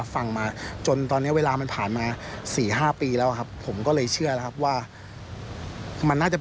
อะไรอย่างนี้เองนะครับก็คือเท่าที่ทำได้นะครับ